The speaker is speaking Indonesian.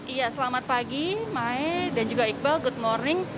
iya selamat pagi mae dan juga iqbal good morning